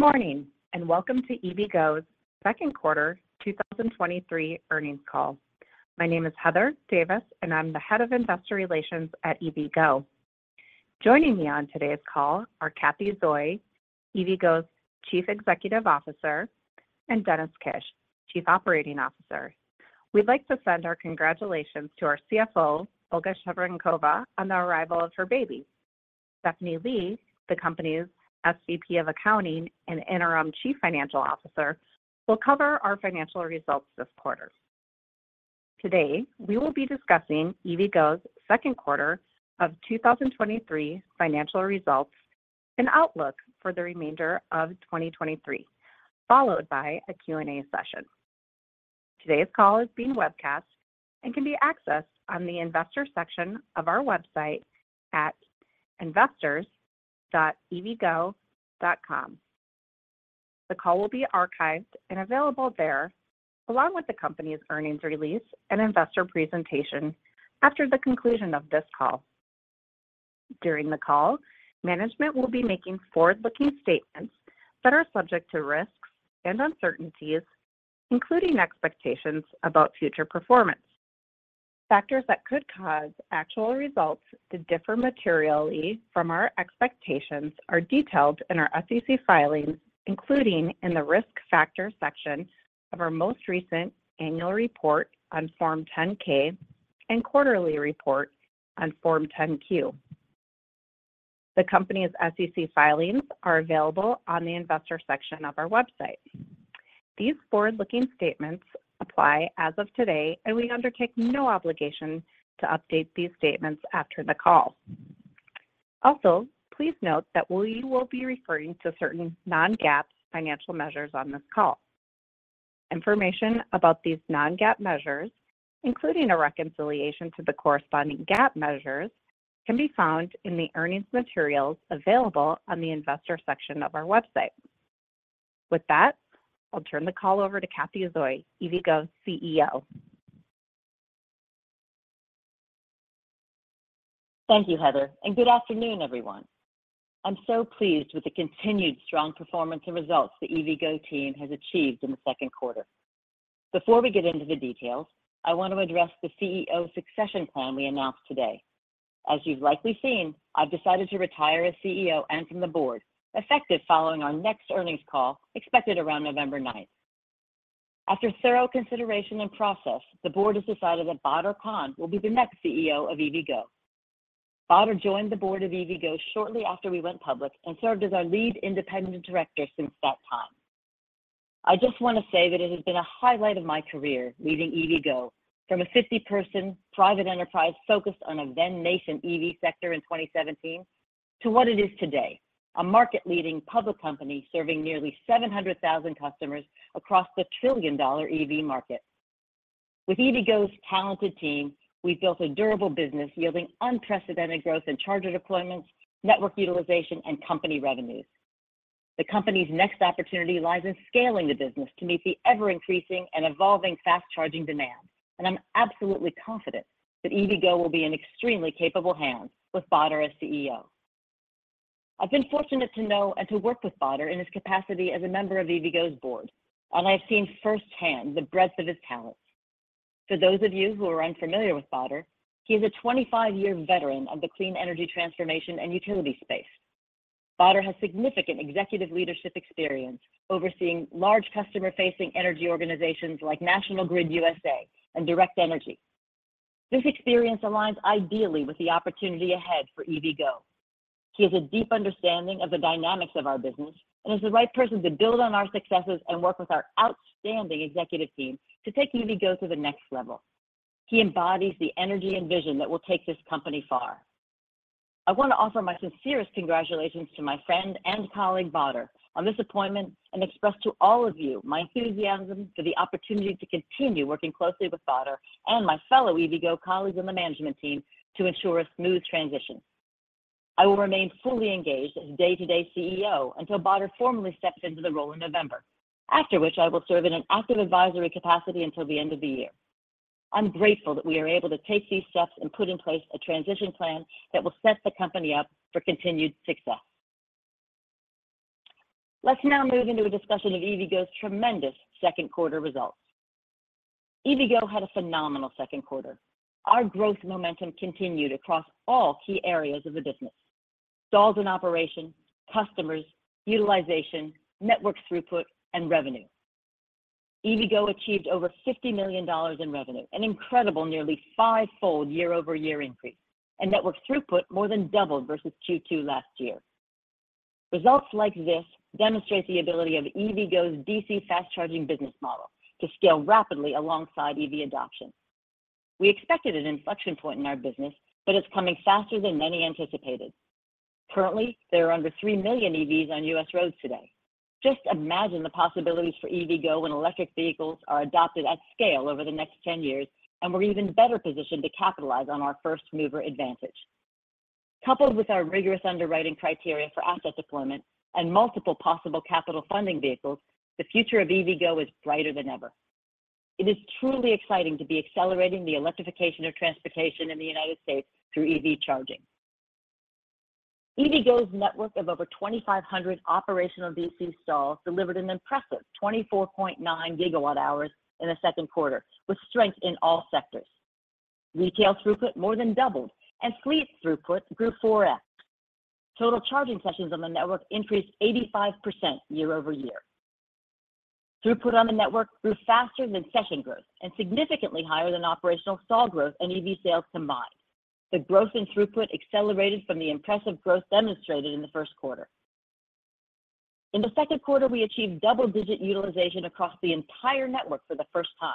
Good morning, welcome to EVgo's second quarter 2023 earnings call. My name is Heather Davis, and I'm the Head of Investor Relations at EVgo. Joining me on today's call are Cathy Zoi, EVgo's Chief Executive Officer, and Dennis Kish, Chief Operating Officer. We'd like to send our congratulations to our CFO, Olga Chekherinkova, on the arrival of her baby. Stephanie Lee, the company's SVP of Accounting and Interim Chief Financial Officer, will cover our financial results this quarter. Today, we will be discussing EVgo's second quarter of 2023 financial results and outlook for the remainder of 2023, followed by a Q&A session. Today's call is being webcast and can be accessed on the investor section of our website at investors.evgo.com. The call will be archived and available there, along with the company's earnings release and investor presentation, after the conclusion of this call. During the call, management will be making forward-looking statements that are subject to risks and uncertainties, including expectations about future performance. Factors that could cause actual results to differ materially from our expectations are detailed in our SEC filings, including in the Risk Factors section of our most recent annual report on Form 10-K and quarterly report on Form 10-Q. The company's SEC filings are available on the investor section of our website. These forward-looking statements apply as of today, and we undertake no obligation to update these statements after the call. Also, please note that we will be referring to certain non-GAAP financial measures on this call. Information about these non-GAAP measures, including a reconciliation to the corresponding GAAP measures, can be found in the earnings materials available on the investor section of our website. With that, I'll turn the call over to Cathy Zoi, EVgo's CEO. Thank you, Heather. Good afternoon, everyone. I'm so pleased with the continued strong performance and results the EVgo team has achieved in the second quarter. Before we get into the details, I want to address the CEO succession plan we announced today. As you've likely seen, I've decided to retire as CEO and from the board, effective following our next earnings call, expected around November 9th. After thorough consideration and process, the board has decided that Badar Khan will be the next CEO of EVgo. Badar joined the board of EVgo shortly after we went public and served as our lead independent director since that time. I just want to say that it has been a highlight of my career leading EVgo from a 50-person private enterprise focused on a then nascent EV sector in 2017, to what it is today, a market-leading public company serving nearly 700,000 customers across the $1 trillion EV market. With EVgo's talented team, we've built a durable business yielding unprecedented growth in charger deployments, network utilization, and company revenues. The company's next opportunity lies in scaling the business to meet the ever-increasing and evolving fast-charging demand, and I'm absolutely confident that EVgo will be in extremely capable hands with Badar as CEO. I've been fortunate to know and to work with Badar in his capacity as a member of EVgo's board, and I've seen firsthand the breadth of his talents. For those of you who are unfamiliar with Badar, he is a 25-year veteran of the clean energy transformation and utility space. Badar has significant executive leadership experience overseeing large customer-facing energy organizations like National Grid USA and Direct Energy. This experience aligns ideally with the opportunity ahead for EVgo. He has a deep understanding of the dynamics of our business and is the right person to build on our successes and work with our outstanding executive team to take EVgo to the next level. He embodies the energy and vision that will take this company far. I want to offer my sincerest congratulations to my friend and colleague, Badar, on this appointment, and express to all of you my enthusiasm for the opportunity to continue working closely with Badar and my fellow EVgo colleagues on the management team to ensure a smooth transition. I will remain fully engaged as day-to-day CEO until Badar formally steps into the role in November, after which I will serve in an active advisory capacity until the end of the year. I'm grateful that we are able to take these steps and put in place a transition plan that will set the company up for continued success. Let's now move into a discussion of EVgo's tremendous second quarter results. EVgo had a phenomenal second quarter. Our growth momentum continued across all key areas of the business: stalls in operation, customers, utilization, network throughput, and revenue. EVgo achieved over $50 million in revenue, an incredible nearly five-fold year-over-year increase, and network throughput more than doubled versus Q2 last year. Results like this demonstrate the ability of EVgo's DC fast charging business model to scale rapidly alongside EV adoption. We expected an inflection point in our business, it's coming faster than many anticipated. Currently, there are under three million EVs on U.S. roads today. Just imagine the possibilities for EVgo when electric vehicles are adopted at scale over the next 10 years, and we're even better positioned to capitalize on our first-mover advantage. Coupled with our rigorous underwriting criteria for asset deployment and multiple possible capital funding vehicles, the future of EVgo is brighter than ever. It is truly exciting to be accelerating the electrification of transportation in the United States through EV charging. EVgo's network of over 2,500 operational DC stalls delivered an impressive 24.9 GW hours in the second quarter, with strength in all sectors. Retail throughput more than doubled, and fleet throughput grew 4x. Total charging sessions on the network increased 85% year-over-year. Throughput on the network grew faster than session growth and significantly higher than operational stall growth and EV sales combined. The growth in throughput accelerated from the impressive growth demonstrated in the first quarter. In the second quarter, we achieved double-digit utilization across the entire network for the first time.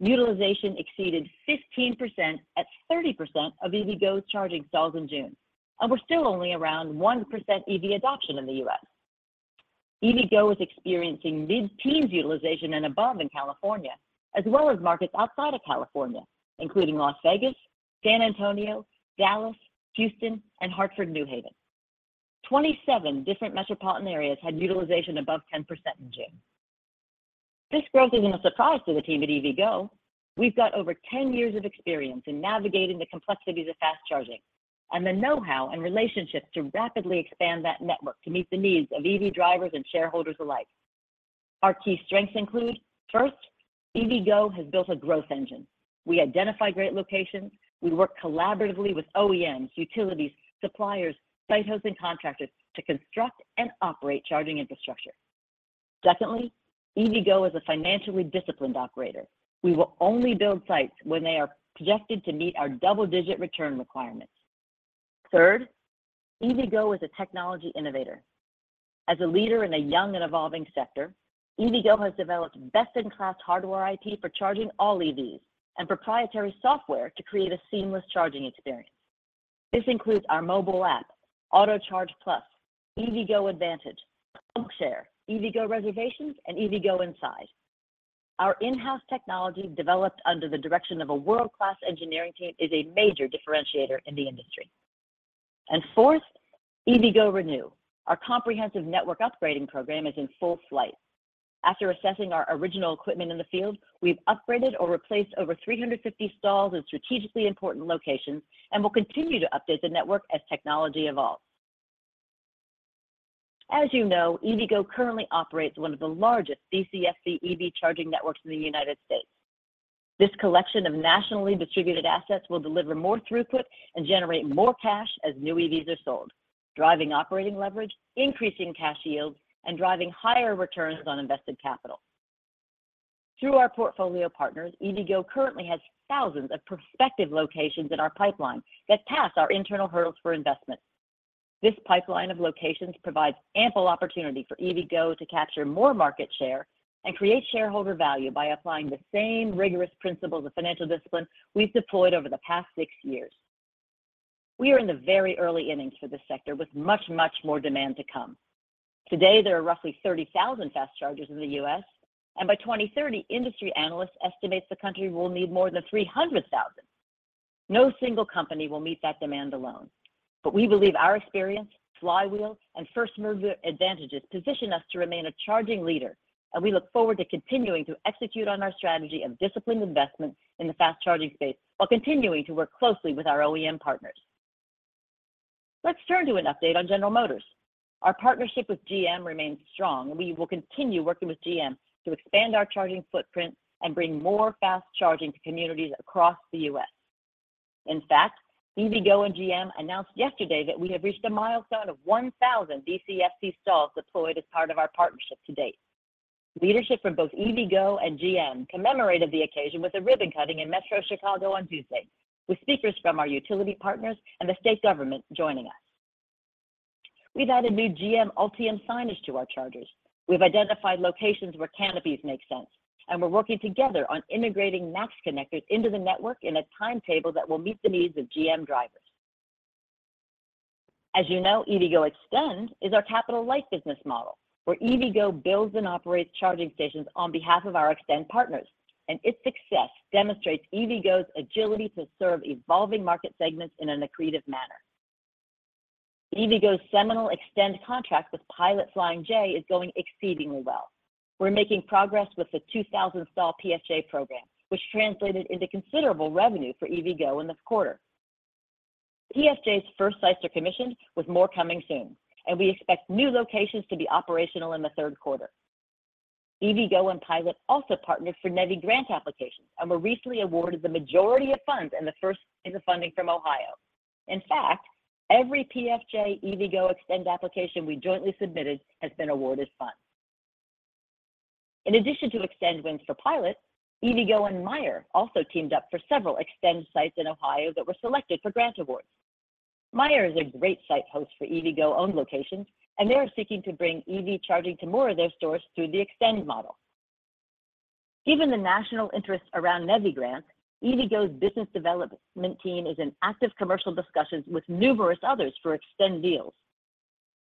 Utilization exceeded 15% at 30% of EVgo's charging stalls in June, and we're still only around 1% EV adoption in the U.S. EVgo is experiencing mid-teens utilization and above in California, as well as markets outside of California, including Las Vegas, San Antonio, Dallas, Houston and Hartford, New Haven. 27 different metropolitan areas had utilization above 10% in June. This growth isn't a surprise to the team at EVgo. We've got over 10 years of experience in navigating the complexities of fast charging and the know-how and relationships to rapidly expand that network to meet the needs of EV drivers and shareholders alike. Our key strengths include: first, EVgo has built a growth engine. We identify great locations. We work collaboratively with OEMs, utilities, suppliers, site hosting contractors to construct and operate charging infrastructure. Secondly, EVgo is a financially disciplined operator. We will only build sites when they are projected to meet our double-digit return requirements. Third, EVgo is a technology innovator. As a leader in a young and evolving sector, EVgo has developed best-in-class hardware IP for charging all EVs and proprietary software to create a seamless charging experience. This includes our mobile app, Autocharge+, EVgo Advantage, PlugShare, EVgo Reservations, and EVgo Inside. Our in-house technology, developed under the direction of a world-class engineering team, is a major differentiator in the industry. Fourth, EVgo ReNew. Our comprehensive network upgrading program is in full flight. After assessing our original equipment in the field, we've upgraded or replaced over 350 stalls in strategically important locations and will continue to update the network as technology evolves. As you know, EVgo currently operates one of the largest DCFC EV charging networks in the United States. This collection of nationally distributed assets will deliver more throughput and generate more cash as new EVs are sold, driving operating leverage, increasing cash yields, and driving higher returns on invested capital. Through our portfolio partners, EVgo currently has thousands of prospective locations in our pipeline that pass our internal hurdles for investment. This pipeline of locations provides ample opportunity for EVgo to capture more market share and create shareholder value by applying the same rigorous principles of financial discipline we've deployed over the past six years. We are in the very early innings for this sector, with much, much more demand to come. Today, there are roughly 30,000 fast chargers in the U.S. By 2030, industry analysts estimate the country will need more than 300,000. No single company will meet that demand alone. We believe our experience, flywheel, and first-mover advantages position us to remain a charging leader, and we look forward to continuing to execute on our strategy of disciplined investment in the fast charging space while continuing to work closely with our OEM partners. Let's turn to an update on General Motors. Our partnership with GM remains strong. We will continue working with GM to expand our charging footprint and bring more fast charging to communities across the U.S. In fact, EVgo and GM announced yesterday that we have reached a milestone of 1,000 DCFC stalls deployed as part of our partnership to date. Leadership from both EVgo and GM commemorated the occasion with a ribbon cutting in Metro Chicago on Tuesday, with speakers from our utility partners and the state government joining us. We've added new GM Ultium signage to our chargers. We've identified locations where canopies make sense. We're working together on integrating NACS connectors into the network in a timetable that will meet the needs of GM drivers. As you know, EVgo eXtend is our capital-light business model, where EVgo builds and operates charging stations on behalf of our Extend partners, and its success demonstrates EVgo's agility to serve evolving market segments in an accretive manner. EVgo's seminal Extend contract with Pilot Flying J is going exceedingly well. We're making progress with the 2,000 stall PFJ program, which translated into considerable revenue for EVgo in this quarter. PFJ's first sites are commissioned, with more coming soon, and we expect new locations to be operational in the third quarter. EVgo and Pilot also partnered for NEVI grant applications and were recently awarded the majority of funds in the first phase of funding from Ohio. In fact, every PFJ/EVgo eXtend application we jointly submitted has been awarded funds. In addition to eXtend wins for Pilot, EVgo and Meijer also teamed up for several eXtend sites in Ohio that were selected for grant awards. Meijer is a great site host for EVgo-owned locations, and they are seeking to bring EV charging to more of their stores through the eXtend model. Given the national interest around NEVI grants, EVgo's business development team is in active commercial discussions with numerous others for eXtend deals.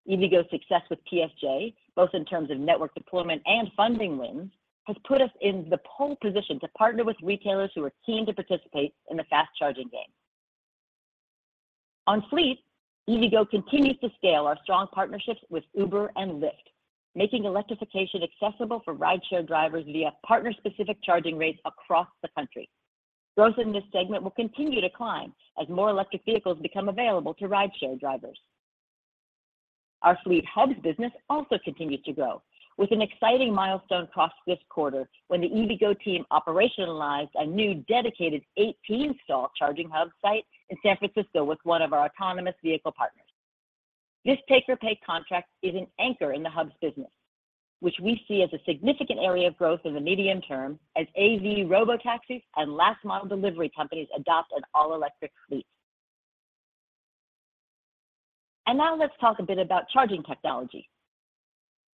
EVgo's success with PFJ, both in terms of network deployment and funding wins, has put us in the pole position to partner with retailers who are keen to participate in the fast-charging game. On Fleet, EVgo continues to scale our strong partnerships with Uber and Lyft, making electrification accessible for rideshare drivers via partner-specific charging rates across the country. Growth in this segment will continue to climb as more electric vehicles become available to rideshare drivers. Our Fleet Hubs business also continues to grow, with an exciting milestone crossed this quarter when the EVgo team operationalized a new dedicated 18-stall charging hub site in San Francisco with one of our autonomous vehicle partners. This take-or-pay contract is an anchor in the Hubs business, which we see as a significant area of growth in the medium term as AV robotaxis and last mile delivery companies adopt an all-electric fleet. Now let's talk a bit about charging technology.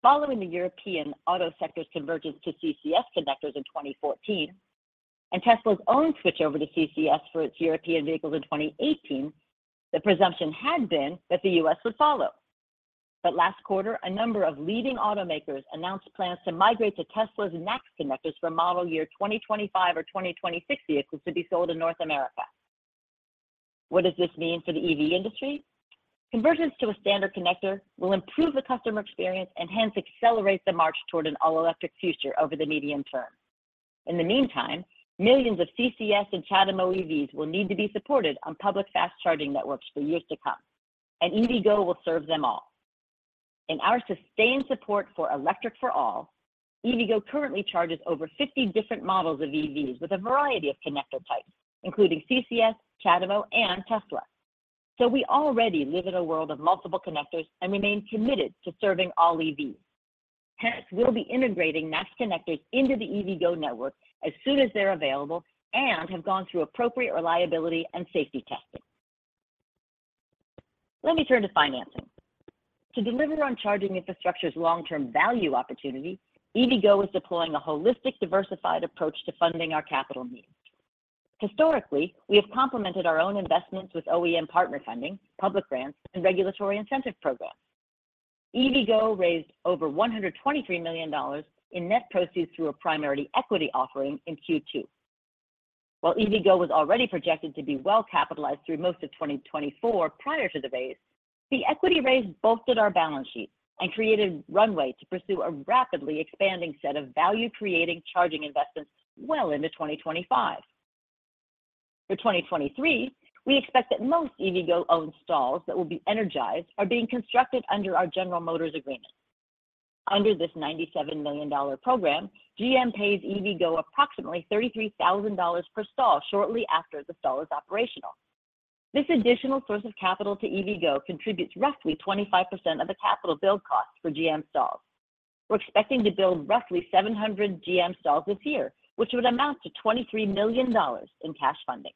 Following the European auto sector's convergence to CCS connectors in 2014, and Tesla's own switch over to CCS for its European vehicles in 2018, the presumption had been that the U.S. would follow. Last quarter, a number of leading automakers announced plans to migrate to Tesla's NACS connectors for model year 2025 or 2026 vehicles to be sold in North America. What does this mean for the EV industry? Convergence to a standard connector will improve the customer experience and hence accelerate the march toward an all-electric future over the medium term. In the meantime, millions of CCS and CHAdeMO EVs will need to be supported on public fast charging networks for years to come, and EVgo will serve them all. In our sustained support for Electric for All, EVgo currently charges over 50 different models of EVs with a variety of connector types, including CCS, CHAdeMO, and Tesla. We already live in a world of multiple connectors and remain committed to serving all EVs. Hence, we'll be integrating NACS connectors into the EVgo network as soon as they're available and have gone through appropriate reliability and safety testing. Let me turn to financing. To deliver on charging infrastructure's long-term value opportunity, EVgo is deploying a holistic, diversified approach to funding our capital needs. Historically, we have complemented our own investments with OEM partner funding, public grants, and regulatory incentive programs. EVgo raised over $123 million in net proceeds through a primary equity offering in Q2. While EVgo was already projected to be well capitalized through most of 2024 prior to the raise, the equity raise bolstered our balance sheet and created runway to pursue a rapidly expanding set of value-creating charging investments well into 2025. For 2023, we expect that most EVgo-owned stalls that will be energized are being constructed under our General Motors agreement. Under this $97 million program, GM pays EVgo approximately $33,000 per stall shortly after the stall is operational. This additional source of capital to EVgo contributes roughly 25% of the capital build cost for GM stalls. We're expecting to build roughly 700 GM stalls this year, which would amount to $23 million in cash funding.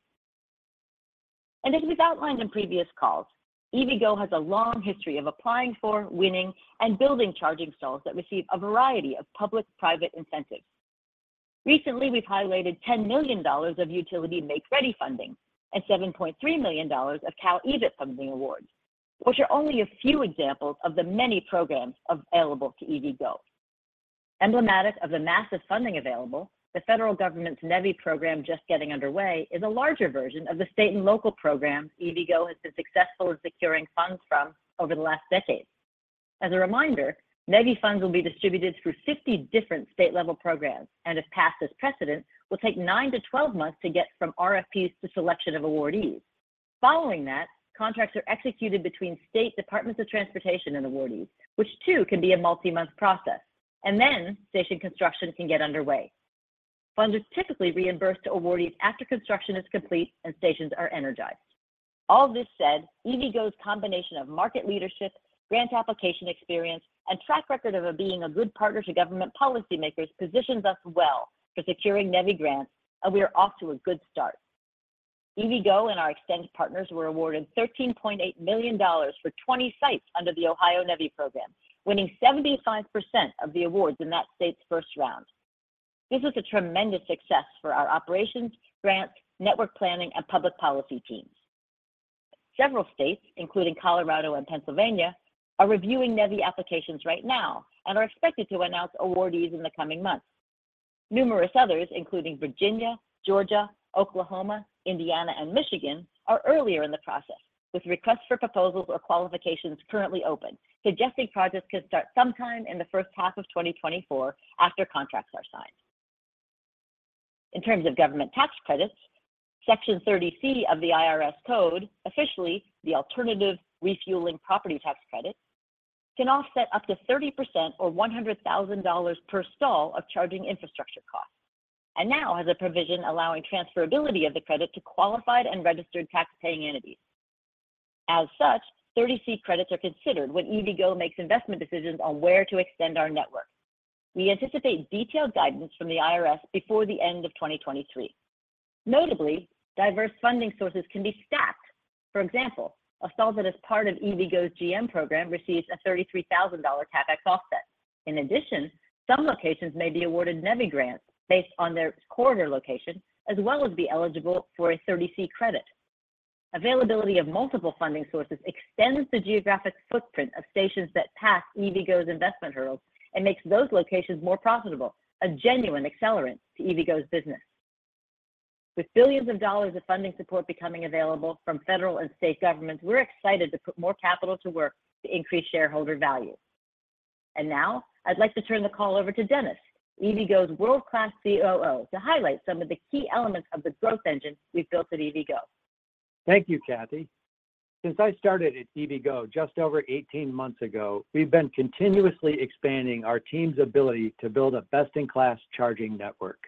As we've outlined in previous calls, EVgo has a long history of applying for, winning, and building charging stalls that receive a variety of public-private incentives. Recently, we've highlighted $10 million of utility Make-Ready funding and $7.3 million of CALeVIP funding awards, which are only a few examples of the many programs available to EVgo. Emblematic of the massive funding available, the federal government's NEVI program, just getting underway, is a larger version of the state and local programs EVgo has been successful in securing funds from over the last decade. As a reminder, NEVI funds will be distributed through 50 different state-level programs, if passed as precedent, will take nine-12 months to get from RFPs to selection of awardees. Following that, contracts are executed between state departments of transportation and awardees, which too can be a multi-month process, then station construction can get underway. Funds are typically reimbursed to awardees after construction is complete and stations are energized. All this said, EVgo's combination of market leadership, grant application experience, and track record of being a good partner to government policymakers positions us well for securing NEVI grants, we are off to a good start. EVgo and our extended partners were awarded $13.8 million for 20 sites under the Ohio NEVI program, winning 75% of the awards in that state's first round. This is a tremendous success for our operations, grants, network planning, and public policy teams. Several states, including Colorado and Pennsylvania, are reviewing NEVI applications right now and are expected to announce awardees in the coming months. Numerous others, including Virginia, Georgia, Oklahoma, Indiana, and Michigan, are earlier in the process, with requests for proposals or qualifications currently open, suggesting projects could start sometime in the first half of 2024 after contracts are signed. In terms of government tax credits, Section 30C of the IRS code, officially the Alternative Refueling Property Tax Credit, can offset up to 30% or $100,000 per stall of charging infrastructure costs, and now has a provision allowing transferability of the credit to qualified and registered taxpaying entities. As such, 30C credits are considered when EVgo makes investment decisions on where to extend our network. We anticipate detailed guidance from the IRS before the end of 2023. Notably, diverse funding sources can be stacked. For example, a stall that is part of EVgo's GM program receives a $33,000 CapEx offset. In addition, some locations may be awarded NEVI grants based on their corridor location, as well as be eligible for a 30C credit. Availability of multiple funding sources extends the geographic footprint of stations that pass EVgo's investment hurdles and makes those locations more profitable, a genuine accelerant to EVgo's business. With billions of dollars of funding support becoming available from federal and state governments, we're excited to put more capital to work to increase shareholder value. Now, I'd like to turn the call over to Dennis, EVgo's world-class COO, to highlight some of the key elements of the growth engine we've built at EVgo. Thank you, Cathy. Since I started at EVgo just over 18 months ago, we've been continuously expanding our team's ability to build a best-in-class charging network.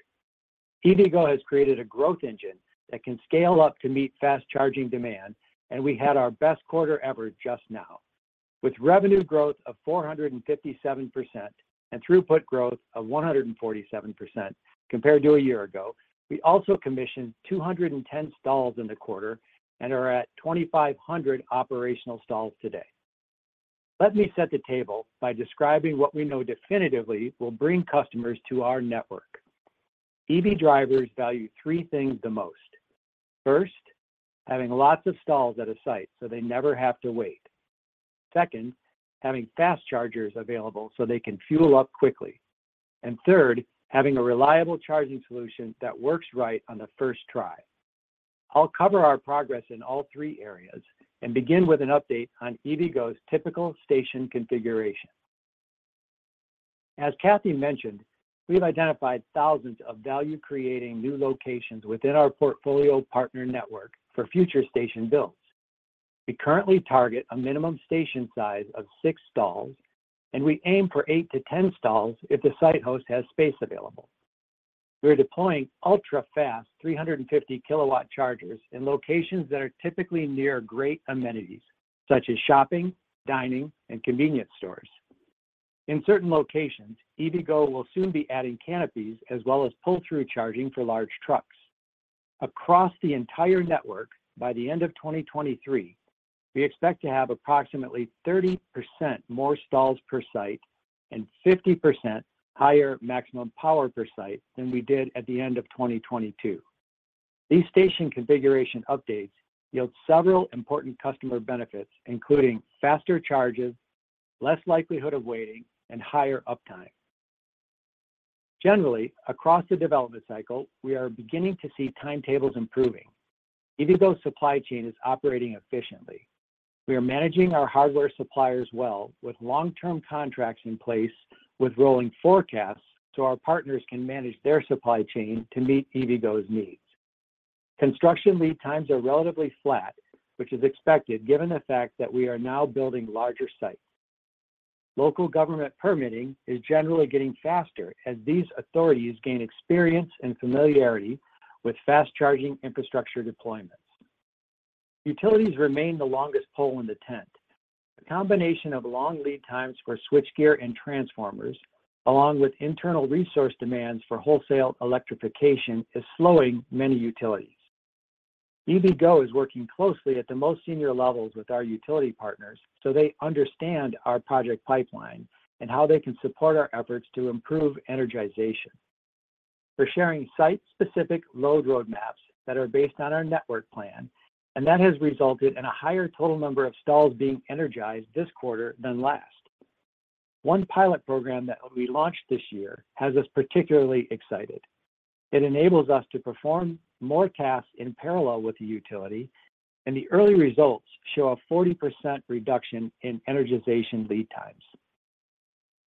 EVgo has created a growth engine that can scale up to meet fast charging demand, and we had our best quarter ever just now. With revenue growth of 457% and throughput growth of 147% compared to a year ago, we also commissioned 210 stalls in the quarter and are at 2,500 operational stalls today. Let me set the table by describing what we know definitively will bring customers to our network. EV drivers value three things the most. First, having lots of stalls at a site so they never have to wait. Second, having fast chargers available so they can fuel up quickly. Third, having a reliable charging solution that works right on the first try. I'll cover our progress in all three areas and begin with an update on EVgo's typical station configuration. As Cathy mentioned, we've identified thousands of value-creating new locations within our portfolio partner network for future station builds. We currently target a minimum station size of six stalls, and we aim for eight-10 stalls if the site host has space available. We're deploying ultra-fast 350 kilowatt chargers in locations that are typically near great amenities, such as shopping, dining, and convenience stores. In certain locations, EVgo will soon be adding canopies as well as pull-through charging for large trucks. Across the entire network, by the end of 2023, we expect to have approximately 30% more stalls per site and 50% higher maximum power per site than we did at the end of 2022. These station configuration updates yield several important customer benefits, including faster charges, less likelihood of waiting, and higher uptime. Generally, across the development cycle, we are beginning to see timetables improving. EVgo's supply chain is operating efficiently. We are managing our hardware suppliers well, with long-term contracts in place with rolling forecasts. Our partners can manage their supply chain to meet EVgo's needs. Construction lead times are relatively flat, which is expected, given the fact that we are now building larger sites. Local government permitting is generally getting faster as these authorities gain experience and familiarity with fast charging infrastructure deployments. Utilities remain the longest pole in the tent. A combination of long lead times for switchgear and transformers, along with internal resource demands for wholesale electrification, is slowing many utilities. EVgo is working closely at the most senior levels with our utility partners, so they understand our project pipeline and how they can support our efforts to improve energization. We share in sight specific logo maps that are based on our network plan. That has resulted in a higher total number of stalls being energized this quarter than last. One pilot program that will be launched this year has us particularly excited. It enables us to perform more tasks in parallel with the utility, the early results show a 40% reduction in energization lead times.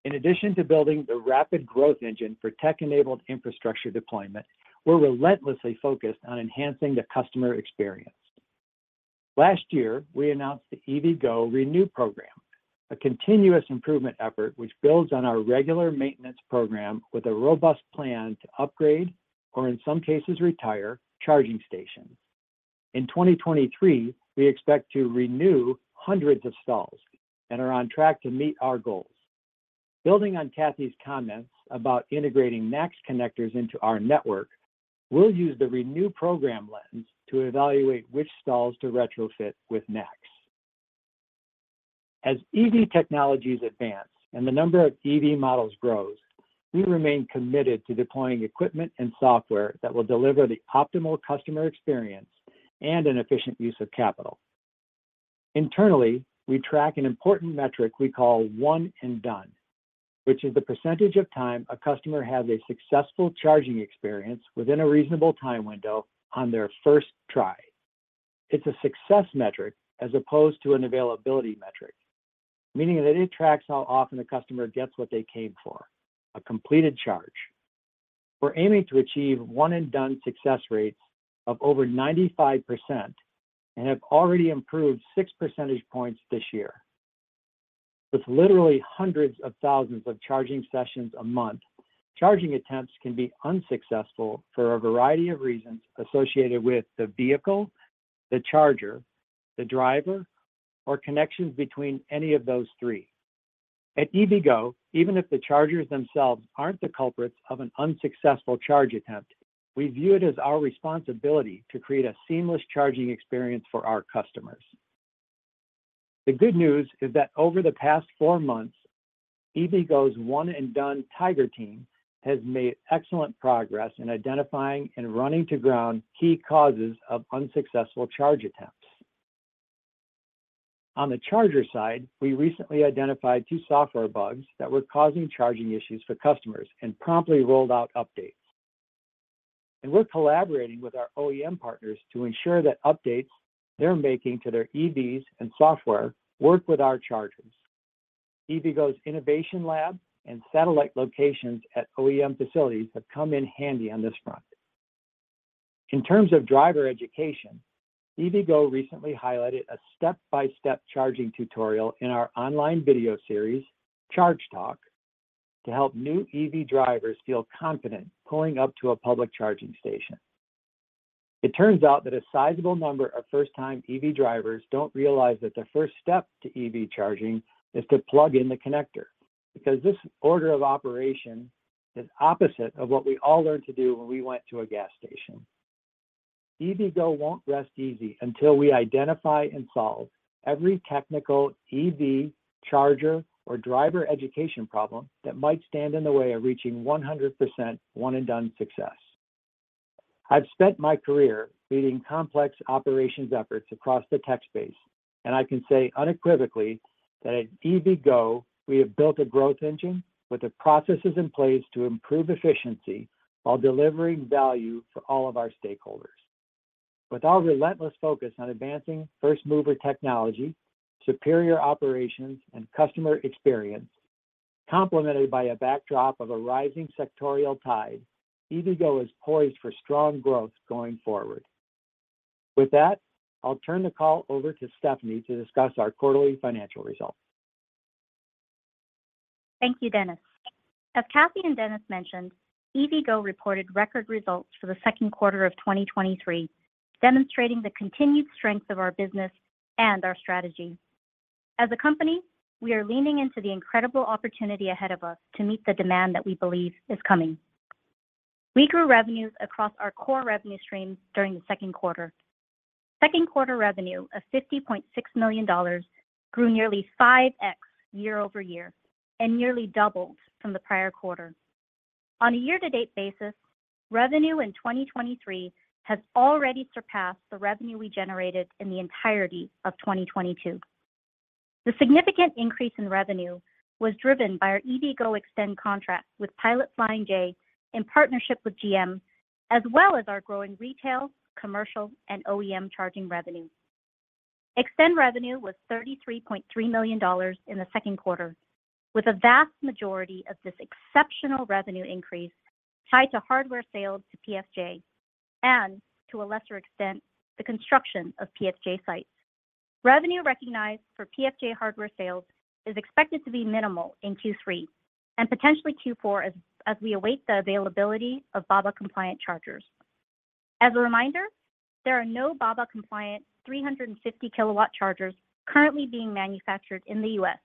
In addition to building the rapid growth engine for tech-enabled infrastructure deployment, we're relentlessly focused on enhancing the customer experience. Last year, we announced the EVgo ReNew program, a continuous improvement effort which builds on our regular maintenance program with a robust plan to upgrade, or in some cases, retire, charging stations. In 2023, we expect to renew hundreds of stalls and are on track to meet our goals. Building on Cathy's comments about integrating NACS connectors into our network, we'll use the ReNew program lens to evaluate which stalls to retrofit with NACS. As EV technologies advance and the number of EV models grows, we remain committed to deploying equipment and software that will deliver the optimal customer experience and an efficient use of capital. Internally, we track an important metric we call One and Done, which is the percentage of time a customer has a successful charging experience within a reasonable time window on their first try. It's a success metric as opposed to an availability metric, meaning that it tracks how often a customer gets what they came for, a completed charge. We're aiming to achieve One and Done success rates of over 95% and have already improved six percentage points this year. With literally hundreds of thousands of charging sessions a month, charging attempts can be unsuccessful for a variety of reasons associated with the vehicle, the charger, the driver, or connections between any of those three. At EVgo, even if the chargers themselves aren't the culprits of an unsuccessful charge attempt, we view it as our responsibility to create a seamless charging experience for our customers. The good news is that over the past four months, EVgo's One and Done Tiger Team has made excellent progress in identifying and running to ground key causes of unsuccessful charge attempts. On the charger side, we recently identified two software bugs that were causing charging issues for customers and promptly rolled out updates. We're collaborating with our OEM partners to ensure that updates they're making to their EVs and software work with our chargers. EVgo's innovation lab and satellite locations at OEM facilities have come in handy on this front. In terms of driver education, EVgo recently highlighted a step-by-step charging tutorial in our online video series, Charge Talk, to help new EV drivers feel confident pulling up to a public charging station. It turns out that a sizable number of first-time EV drivers don't realize that the first step to EV charging is to plug in the connector, because this order of operation is opposite of what we all learned to do when we went to a gas station. EVgo won't rest easy until we identify and solve every technical EV charger or driver education problem that might stand in the way of reaching 100% One and Done success. I've spent my career leading complex operations efforts across the tech space, and I can say unequivocally that at EVgo, we have built a growth engine with the processes in place to improve efficiency while delivering value for all of our stakeholders. With our relentless focus on advancing first-mover technology, superior operations, and customer experience, complemented by a backdrop of a rising sectorial tide, EVgo is poised for strong growth going forward. With that, I'll turn the call over to Stephanie to discuss our quarterly financial results. Thank you, Dennis. As Cathy and Dennis mentioned, EVgo reported record results for the second quarter of 2023, demonstrating the continued strength of our business and our strategy. As a company, we are leaning into the incredible opportunity ahead of us to meet the demand that we believe is coming. We grew revenues across our core revenue streams during the second quarter. Second quarter revenue of $50.6 million grew nearly 5x year-over-year and nearly doubled from the prior quarter. On a year-to-date basis, revenue in 2023 has already surpassed the revenue we generated in the entirety of 2022. The significant increase in revenue was driven by our EVgo eXtend contract with Pilot Flying J in partnership with GM, as well as our growing retail, commercial, and OEM charging revenue. eXtend revenue was $33.3 million in the second quarter, with a vast majority of this exceptional revenue increase tied to hardware sales to PFJ and, to a lesser extent, the construction of PFJ sites. Revenue recognized for PFJ hardware sales is expected to be minimal in Q3 and potentially Q4 as we await the availability of BABA-compliant chargers. As a reminder, there are no BABA-compliant 350 kW chargers currently being manufactured in the U.S.,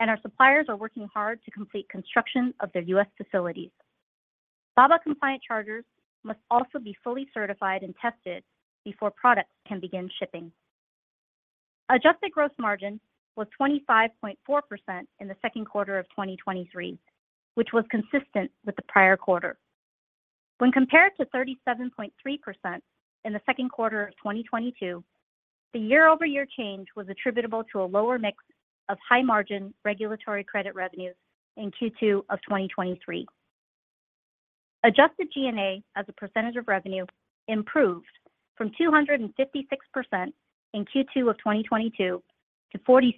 and our suppliers are working hard to complete construction of their U.S. facilities. BABA-compliant chargers must also be fully certified and tested before products can begin shipping. Adjusted gross margin was 25.4% in the second quarter of 2023, which was consistent with the prior quarter. When compared to 37.3% in the second quarter of 2022, the year-over-year change was attributable to a lower mix of high-margin regulatory credit revenues in Q2 of 2023. Adjusted G&A, as a percentage of revenue, improved from 256% in Q2 of 2022 to 46%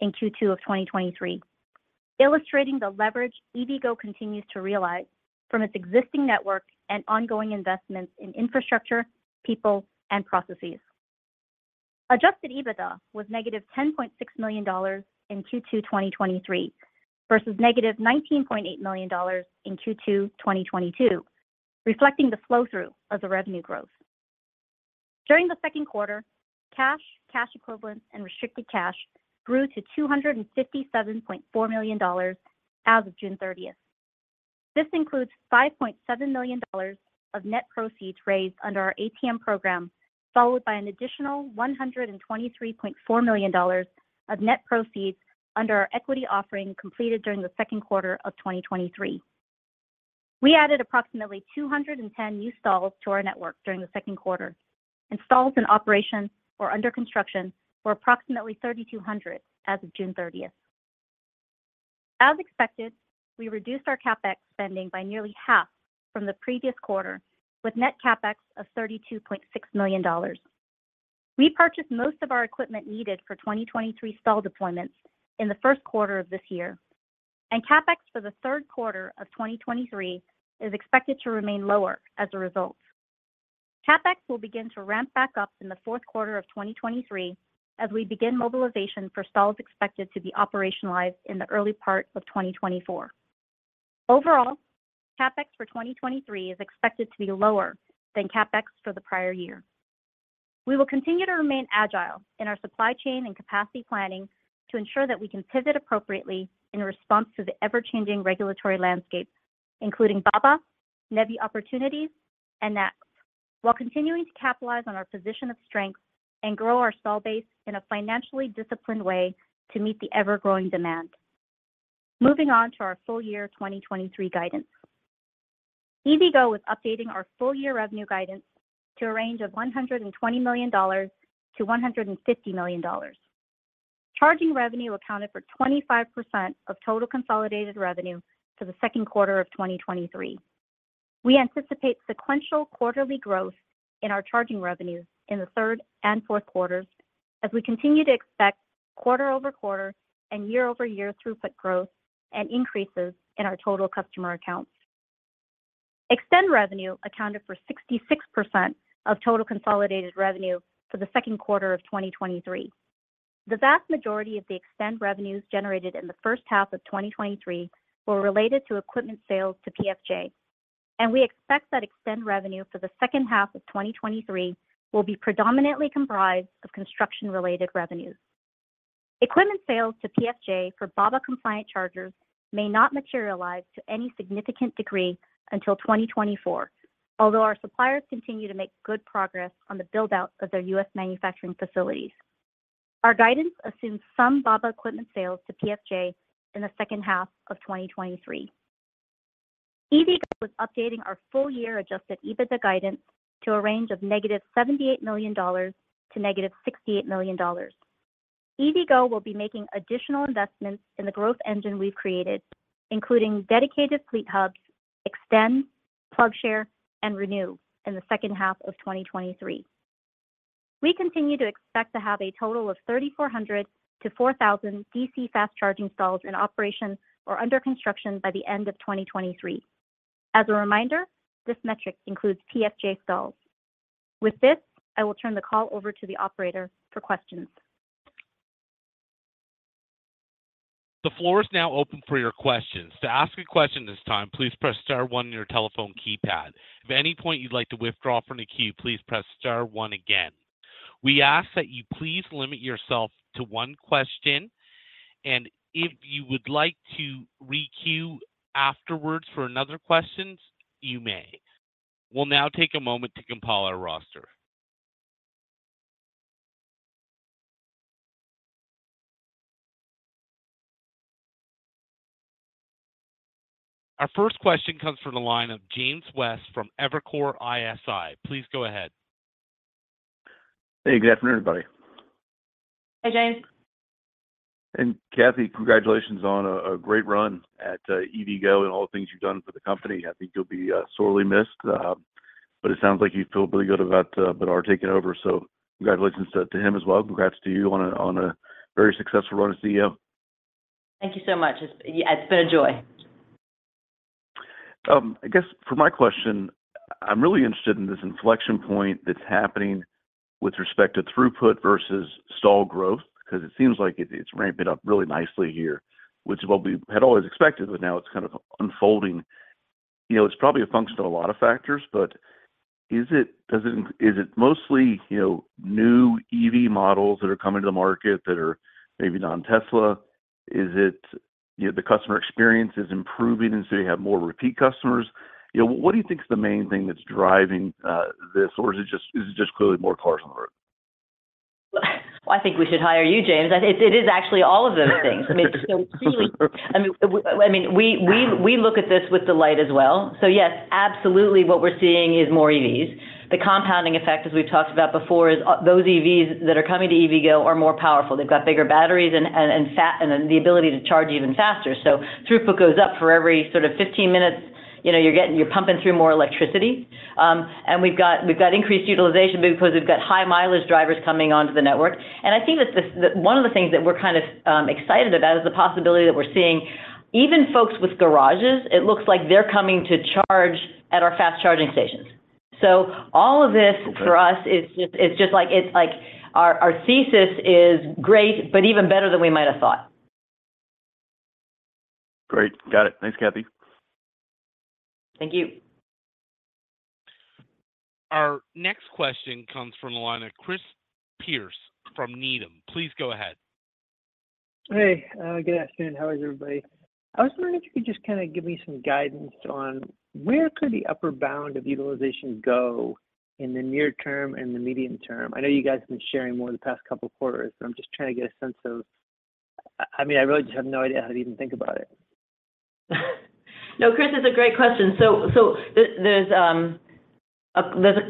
in Q2 of 2023, illustrating the leverage EVgo continues to realize from its existing network and ongoing investments in infrastructure, people, and processes. Adjusted EBITDA was negative $10.6 million in Q2 2023, versus negative $19.8 million in Q2 2022, reflecting the flow-through of the revenue growth. During the second quarter, cash, cash equivalents, and restricted cash grew to $257.4 million as of June 30. This includes $5.7 million of net proceeds raised under our ATM program, followed by an additional $123.4 million of net proceeds under our equity offering completed during the second quarter of 2023. We added approximately 210 new stalls to our network during the second quarter. Installs and operations were under construction for approximately 3,200 as of June 30th. As expected, we reduced our CapEx spending by nearly half from the previous quarter, with net CapEx of $32.6 million. We purchased most of our equipment needed for 2023 stall deployments in the first quarter of this year, and CapEx for the third quarter of 2023 is expected to remain lower as a result. CapEx will begin to ramp back up in the fourth quarter of 2023 as we begin mobilization for stalls expected to be operationalized in the early part of 2024. Overall, CapEx for 2023 is expected to be lower than CapEx for the prior year. We will continue to remain agile in our supply chain and capacity planning to ensure that we can pivot appropriately in response to the ever-changing regulatory landscape, including BABA, NEVI opportunities, and NACS, while continuing to capitalize on our position of strength and grow our stall base in a financially disciplined way to meet the ever-growing demand. Moving on to our full year 2023 guidance. EVgo is updating our full-year revenue guidance to a range of $120 million-$150 million. Charging revenue accounted for 25% of total consolidated revenue for the second quarter of 2023. We anticipate sequential quarterly growth in our charging revenues in the third and fourth quarters, as we continue to expect quarter-over-quarter and year-over-year throughput growth and increases in our total customer accounts. eXtend revenue accounted for 66% of total consolidated revenue for the second quarter of 2023. The vast majority of the eXtend revenues generated in the first half of 2023 were related to equipment sales to PFJ, and we expect that eXtend revenue for the second half of 2023 will be predominantly comprised of construction-related revenues. Equipment sales to PFJ for BABA-compliant chargers may not materialize to any significant degree until 2024, although our suppliers continue to make good progress on the build-out of their U.S. manufacturing facilities. Our guidance assumes some BABA equipment sales to PFJ in the second half of 2023. EVgo was updating our full-year Adjusted EBITDA guidance to a range of negative $78 million - negative $68 million. EVgo will be making additional investments in the growth engine we've created, including dedicated Fleet Hubs, eXtend, PlugShare, and ReNew in the second half of 2023. We continue to expect to have a total of 3,400-4,000 DC fast charging stalls in operation or under construction by the end of 2023. As a reminder, this metric includes PFJ stalls. With this, I will turn the call over to the operator for questions. The floor is now open for your questions. To ask a question this time, please press star one on your telephone keypad. If at any point you'd like to withdraw from the queue, please press star one again. We ask that you please limit yourself to one question, and if you would like to re-queue afterwards for another questions, you may. We'll now take a moment to compile our roster. Our first question comes from the line of James West from Evercore ISI. Please go ahead. Hey, good afternoon, everybody. Hi, James. Cathy, congratulations on a, a great run at EVgo and all the things you've done for the company. I think you'll be sorely missed, but it sounds like you feel really good about Badar taking over, so congratulations to him as well. Congrats to you on a, on a very successful run as CEO. Thank you so much. It's been a joy. I guess for my question, I'm really interested in this inflection point that's happening with respect to throughput versus stall growth, because it seems like it, it's ramped it up really nicely here, which is what we had always expected, but now it's kind of unfolding. You know, it's probably a function of a lot of factors, but is it mostly, you know, new EV models that are coming to the market that are maybe non-Tesla? Is it, you know, the customer experience is improving, and so you have more repeat customers? You know, what do you think is the main thing that's driving this, or is it just, is it just clearly more cars on the road? Well, I think we should hire you, James. I think it is actually all of those things. I mean, clearly, we look at this with the light as well. Yes, absolutely what we're seeing is more EVs. The compounding effect, as we've talked about before, is, those EVs that are coming to EVgo are more powerful. They've got bigger batteries and, and the ability to charge even faster. Throughput goes up. For every sort of 15 minutes, you know, you're pumping through more electricity. We've got increased utilization because we've got high-mileage drivers coming onto the network. I think that this, that one of the things that we're kind of excited about is the possibility that we're seeing even folks with garages, it looks like they're coming to charge at our fast charging stations. All of this- Okay... for us is just, it's just like our thesis is great, but even better than we might have thought. Great. Got it. Thanks, Cathy. Thank you. Our next question comes from the line of Chris Pierce from Needham. Please go ahead. Hey, good afternoon. How is everybody? I was wondering if you could just kind of give me some guidance on where could the upper bound of utilization go in the near term and the medium term. I know you guys have been sharing more the past couple of quarters, but I'm just trying to get a sense of... I mean, I really just have no idea how to even think about it. No, Chris, it's a great question. So there, there's,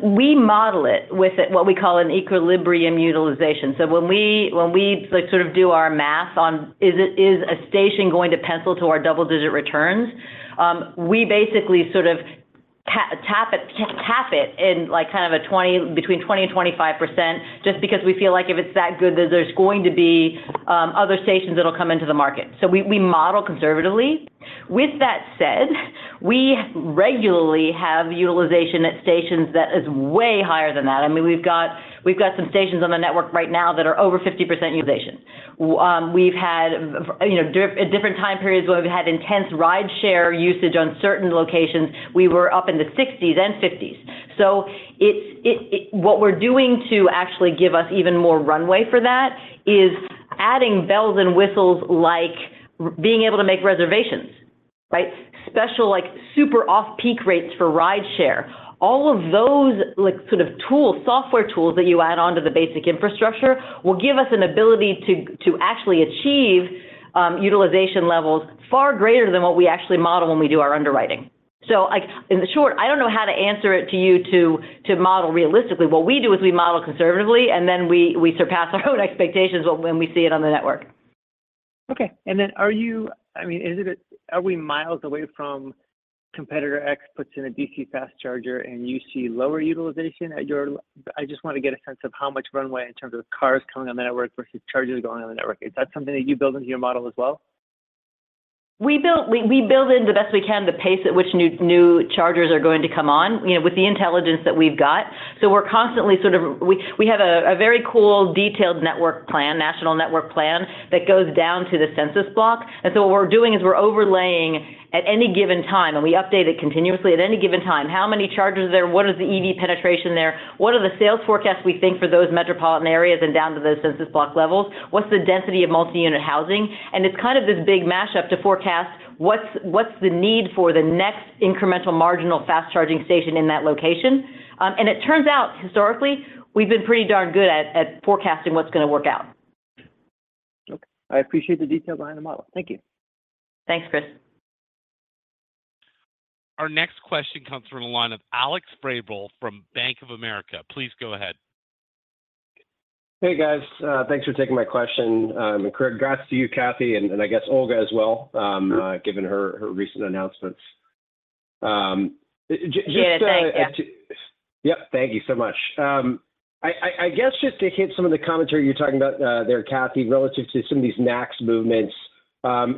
we model it with a, what we call an equilibrium utilization. When we, when we like, sort of do our math on, is it, is a station going to pencil to our double-digit returns, we basically sort of tap it, tap it in, like, kind of between 20% and 25%, just because we feel like if it's that good, there's going to be other stations that'll come into the market. We, we model conservatively. With that said, we regularly have utilization at stations that is way higher than that. I mean, we've got, we've got some stations on the network right now that are over 50% utilization. We've had, you know, at different time periods where we've had intense rideshare usage on certain locations, we were up in the 60s and 50s. It's what we're doing to actually give us even more runway for that is adding bells and whistles, like being able to make EVgo Reservations, right? Special, like, super off-peak rates for rideshare. All of those, like, sort of tools, software tools that you add onto the basic infrastructure, will give us an ability to actually achieve-... utilization levels far greater than what we actually model when we do our underwriting. Like, in the short, I don't know how to answer it to you to model realistically. What we do is we model conservatively, and then we surpass our own expectations when we see it on the network. Okay. Then I mean, is it, are we miles away from competitor X puts in a DC fast charger, and you see lower utilization? I just want to get a sense of how much runway in terms of cars coming on the network versus chargers going on the network. Is that something that you build into your model as well? We build, we build in the best we can, the pace at which new chargers are going to come on, you know, with the intelligence that we've got. We're constantly sort of. We have a very cool, detailed network plan, national network plan that goes down to the census block. What we're doing is we're overlaying at any given time, and we update it continuously, at any given time, how many chargers are there? What is the EV penetration there? What are the sales forecasts, we think, for those metropolitan areas and down to those census block levels? What's the density of multi-unit housing? It's kind of this big mashup to forecast what's the need for the next incremental, marginal fast charging station in that location. It turns out, historically, we've been pretty darn good at, at forecasting what's gonna work out. Okay. I appreciate the detail behind the model. Thank you. Thanks, Chris. Our next question comes from the line of Alex Vrabel from Bank of America. Please go ahead. Hey, guys. thanks for taking my question. Congrats to you, Cathy, and I guess Olga as well, given her recent announcements. Yeah, thanks. Yeah, thank you so much. I guess just to hit some of the commentary you're talking about there, Cathy, relative to some of these max movements.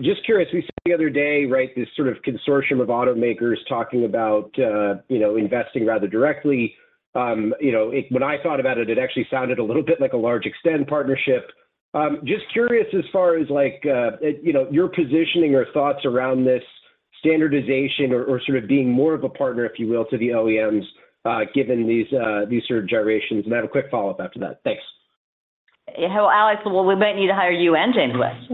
Just curious, we saw the other day, right, this sort of consortium of automakers talking about, you know, investing rather directly. You know, when I thought about it, it actually sounded a little bit like a large eXtend partnership. Just curious as far as, like, you know, your positioning or thoughts around this standardization or, or sort of being more of a partner, if you will, to the OEMs, given these, these sort of gyrations. I have a quick follow-up after that. Thanks. Well, Alex, well, we might need to hire you and James West.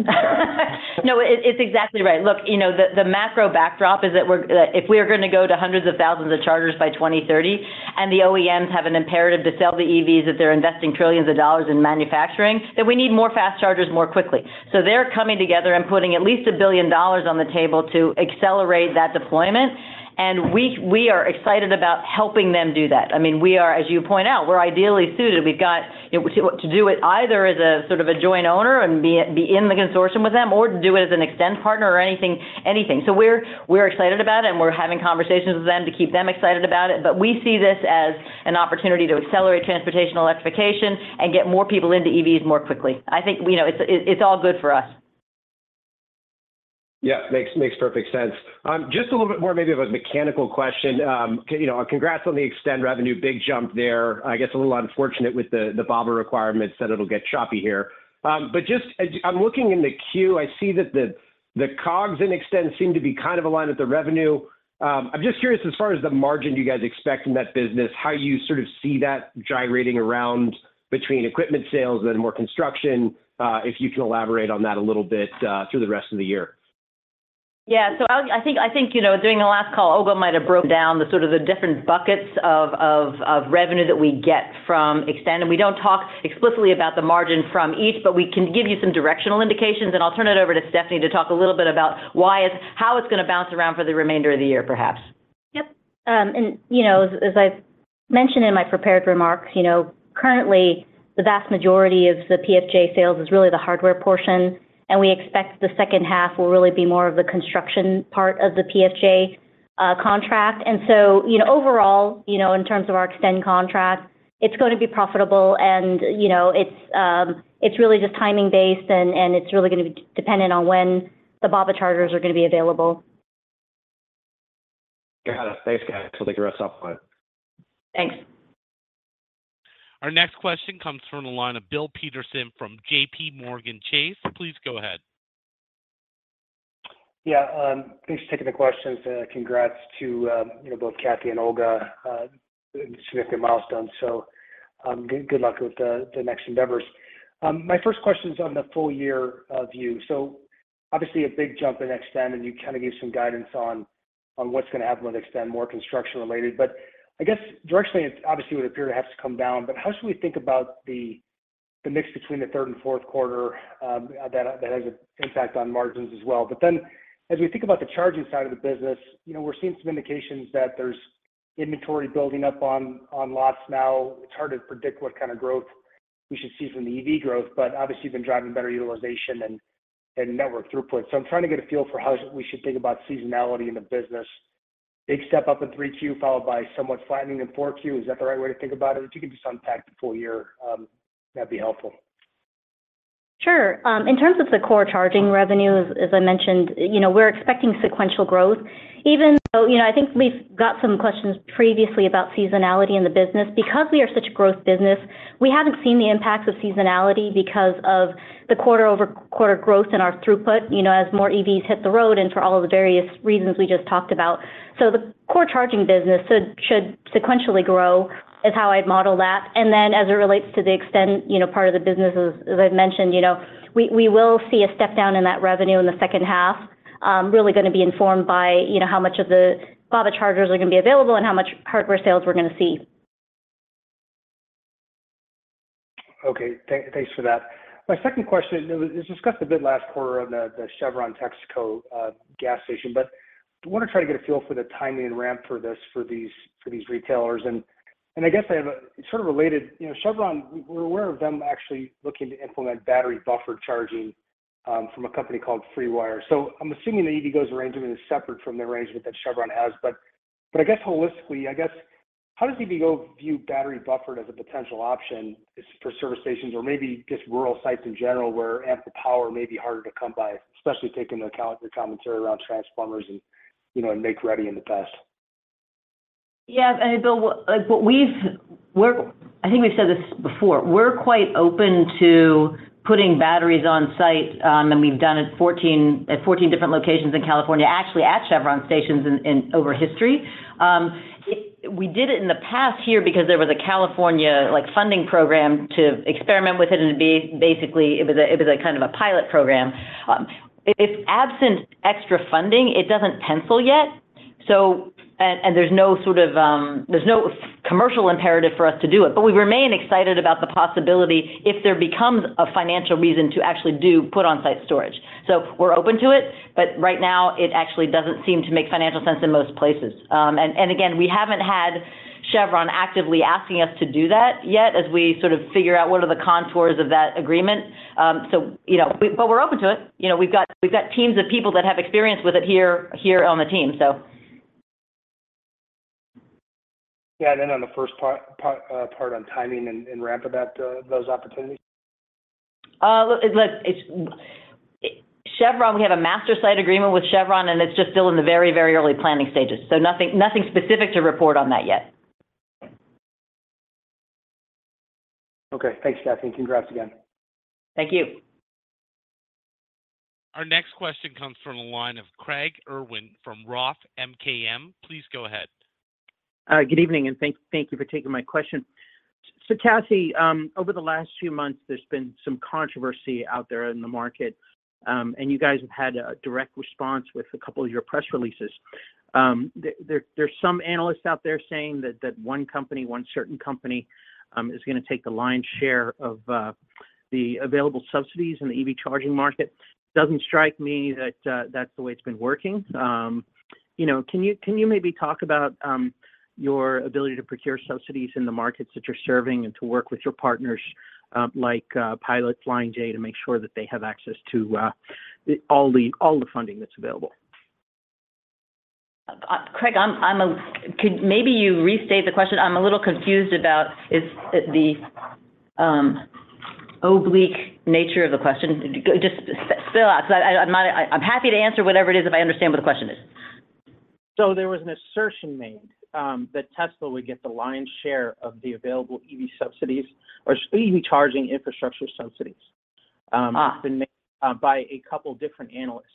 No, it's exactly right. Look, you know, the, the macro backdrop is that we're if we are gonna go to hundreds of thousands of chargers by 2030, and the OEMs have an imperative to sell the EVs, that they're investing trillions of dollars in manufacturing, then we need more fast chargers more quickly. They're coming together and putting at least $1 billion on the table to accelerate that deployment, and we are excited about helping them do that. I mean, we are, as you point out, we're ideally suited. We've got, you know, to do it either as a sort of a joint owner and be in the consortium with them, or to do it as an eXtend partner or anything, anything. We're excited about it, and we're having conversations with them to keep them excited about it. We see this as an opportunity to accelerate transportation electrification and get more people into EVs more quickly. I think, you know, it's, it's all good for us. Yeah, makes, makes perfect sense. Just a little bit more, maybe of a mechanical question. You know, congrats on the eXtend revenue, big jump there. I guess a little unfortunate with the BABA requirements that it'll get choppy here. Just. I, I'm looking in the queue, I see that the COGS in eXtend seem to be kind of aligned with the revenue. I'm just curious, as far as the margin you guys expect in that business, how you sort of see that gyrating around between equipment sales and more construction, if you can elaborate on that a little bit through the rest of the year. Yeah. I, I think, I think, you know, during the last call, Olga might have broken down the sort of the different buckets of, of, of revenue that we get from eXtend. We don't talk explicitly about the margin from each, but we can give you some directional indications, and I'll turn it over to Stephanie to talk a little bit about why how it's going to bounce around for the remainder of the year, perhaps. Yep. You know, as, as I've mentioned in my prepared remarks, you know, currently the vast majority of the PFJ sales is really the hardware portion, and we expect the second half will really be more of the construction part of the PFJ contract. You know, overall, you know, in terms of our eXtend contract, it's going to be profitable and, you know, it's, it's really just timing based, and, and it's really gonna be dependent on when the BABA chargers are gonna be available. Got it. Thanks, guys. I think we're off line. Thanks. Our next question comes from the line of Bill Peterson from JPMorgan Chase. Please go ahead. Yeah, thanks for taking the questions, and congrats to, you know, both Cathy and Olga, significant milestones. Good luck with the next endeavors. My first question is on the full year view. Obviously, a big jump in eXtend, and you kind of gave some guidance on what's gonna happen with eXtend, more construction related. I guess directionally, it obviously would appear to have to come down, but how should we think about the mix between the third and fourth quarter that has an impact on margins as well? As we think about the charging side of the business, you know, we're seeing some indications that there's inventory building up on lots now. It's hard to predict what kind of growth we should see from the EV growth, but obviously, you've been driving better utilization and, and network throughput. I'm trying to get a feel for how we should think about seasonality in the business. Big step up in 3Q, followed by somewhat flattening in 4Q. Is that the right way to think about it? If you could just unpack the full year, that'd be helpful. Sure. In terms of the core charging revenues, as I mentioned, you know, we're expecting sequential growth. Even though, you know, I think we've got some questions previously about seasonality in the business, because we are such a growth business, we haven't seen the impacts of seasonality because of the quarter-over-quarter growth in our throughput, you know, as more EVs hit the road and for all of the various reasons we just talked about. The core charging business should sequentially grow, is how I'd model that. Then, as it relates to the eXtend, you know, part of the business, as I've mentioned, you know, we will see a step down in that revenue in the second half, really gonna be informed by, you know, how much of the BABA chargers are gonna be available and how much hardware sales we're gonna see. Okay, thank, thanks for that. My second question, it was, it was discussed a bit last quarter on the, the Chevron Texaco gas station, I wanna try to get a feel for the timing and ramp for this, for these, for these retailers. I guess I have a sort of related... You know, Chevron, we're aware of them actually looking to implement battery buffer charging from a company called FreeWire. I'm assuming the EVgo's arrangement is separate from the arrangement that Chevron has. I guess holistically, I guess, how does EVgo view battery buffered as a potential option is- for service stations, or maybe just rural sites in general, where ample power may be harder to come by, especially taking into account your commentary around transformers and, you know, and Make-Ready in the past? Yeah, Bill, like I think we've said this before, we're quite open to putting batteries on site, and we've done it 14, at 14 different locations in California, actually at Chevron stations in over history. We did it in the past here because there was a California like funding program to experiment with it, and it be basically, it was a kind of a pilot program. If absent extra funding, it doesn't pencil yet. There's no sort of, there's no commercial imperative for us to do it. We remain excited about the possibility if there becomes a financial reason to actually do put on-site storage. We're open to it, but right now, it actually doesn't seem to make financial sense in most places. Again, we haven't had Chevron actively asking us to do that yet, as we sort of figure out what are the contours of that agreement. You know, but we're open to it. You know, we've got, we've got teams of people that have experience with it here, here on the team, so. Yeah, then on the first part, part, part on timing and, and ramp of that, those opportunities? look, Chevron, we have a master site agreement with Chevron, and it's just still in the very, very early planning stages. Nothing, nothing specific to report on that yet. Okay. Thanks, Cathy. Congrats again. Thank you. Our next question comes from the line of Craig Irwin from ROTH MKM. Please go ahead. Good evening, thank, thank you for taking my question. Cathy, over the last few months, there's been some controversy out there in the market, and you guys have had a direct response with two of your press releases. There, there's some analysts out there saying that, that one company, one certain company, is gonna take the lion's share of the available subsidies in the EV charging market. Doesn't strike me that that's the way it's been working. You know, can you, can you maybe talk about your ability to procure subsidies in the markets that you're serving and to work with your partners, like Pilot Flying J, to make sure that they have access to the, all the, all the funding that's available? Craig, could maybe you restate the question? I'm a little confused about the oblique nature of the question. Just spell out. I'm happy to answer whatever it is, if I understand what the question is. There was an assertion made that Tesla would get the lion's share of the available EV subsidies or EV charging infrastructure subsidies. Ah. By a couple different analysts.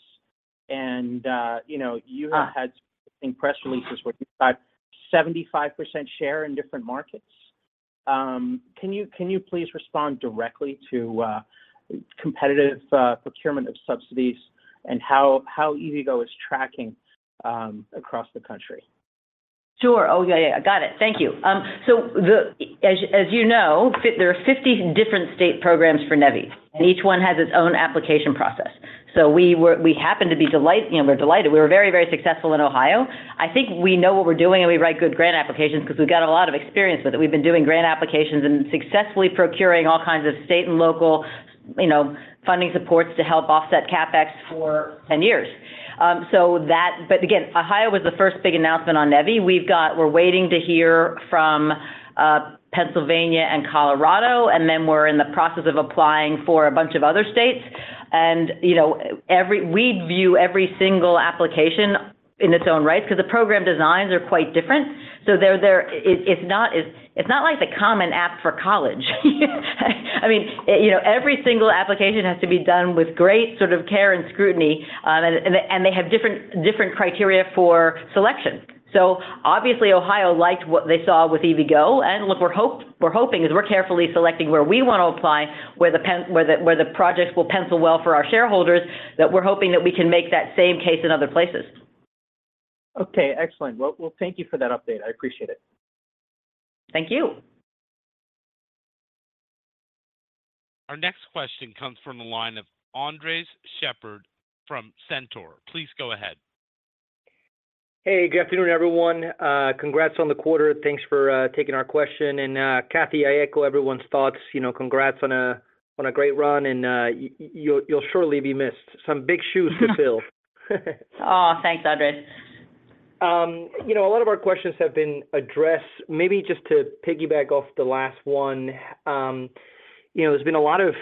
You know, you have had, I think, press releases where you've got 75% share in different markets. Can you, can you please respond directly to competitive procurement of subsidies and how, how EVgo is tracking across the country? Sure. Oh, yeah, yeah, I got it. Thank you. The... As, as you know, there are 50 different state programs for NEVI, and each one has its own application process. We happen to be, you know, we're delighted. We were very, very successful in Ohio. I think we know what we're doing, and we write good grant applications because we've got a lot of experience with it. We've been doing grant applications and successfully procuring all kinds of state and local, you know, funding supports to help offset CapEx for 10 years. Again, Ohio was the first big announcement on NEVI. We're waiting to hear from Pennsylvania and Colorado, and then we're in the process of applying for a bunch of other states. You know, we view every single application in its own right, because the program designs are quite different. It's, it's not, it's, it's not like the common app for college. I mean, you know, every single application has to be done with great sort of care and scrutiny, and they have different, different criteria for selection. Obviously, Ohio liked what they saw with EVgo, and look, we're hoping as we're carefully selecting where we want to apply, where the projects will pencil well for our shareholders, that we're hoping that we can make that same case in other places. Okay, excellent. Well, well, thank you for that update. I appreciate it. Thank you. Our next question comes from the line of Andres Sheppard from Cantor. Please go ahead. Hey, good afternoon, everyone. Congrats on the quarter. Thanks for taking our question. Cathy, I echo everyone's thoughts. You know, congrats on a great run, and you'll surely be missed. Some big shoes to fill. Oh, thanks, Andres. You know, a lot of our questions have been addressed. Maybe just to piggyback off the last one, you know, there's been a lot of